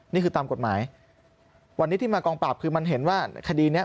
นี่คือตามกฎหมายวันนี้ที่มากองปราบคือมันเห็นว่าคดีเนี้ย